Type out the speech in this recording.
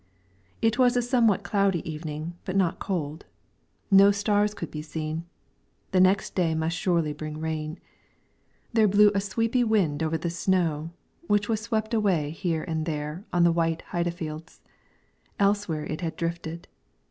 It was a somewhat cloudy evening but not cold; no stars could be seen; the next day must surely bring rain. There blew a sleepy wind over the snow, which was swept away here and there on the white Heidefields; elsewhere it had drifted.